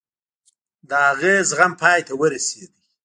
د هغه زغم پای ته ورسېد.